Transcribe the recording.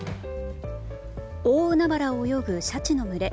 大海原を泳ぐシャチの群れ。